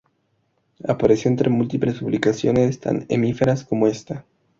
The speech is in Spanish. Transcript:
Apareció entre múltiples publicaciones tan efímeras como esta.